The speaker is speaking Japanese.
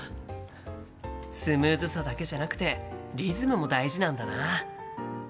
スムーズさだけじゃなくてリズムも大事なんだな。